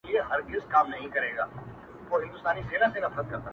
زه په تنهايي کي لاهم سور یمه،